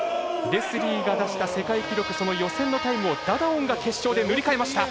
レスリーが出した世界記録その予選のタイムをダダオンが決勝で塗り替えました。